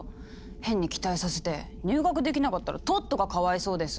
変に期待させて入学できなかったらトットがかわいそうです。